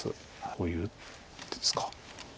こういう手ですか。